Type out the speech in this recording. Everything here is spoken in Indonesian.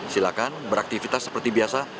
silakan beraktifitas seperti biasa